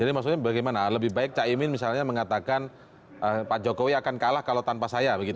jadi maksudnya bagaimana lebih baik cak imin misalnya mengatakan pak jokowi akan kalah kalau tanpa saya begitu